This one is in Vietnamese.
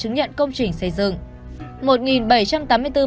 giấy chứng nhận công trình xây dựng